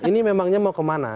ini memangnya mau kemana